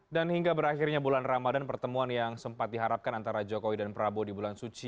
dan hingga berakhirnya bulan ramadan pertemuan yang sempat diharapkan antara jokowi dan prabowo di bulan suci